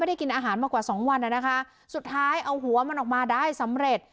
ได้กินอาหารมากว่าสองวันอ่ะนะคะสุดท้ายเอาหัวมันออกมาได้สำเร็จ